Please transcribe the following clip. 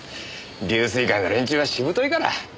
龍翠会の連中はしぶといから。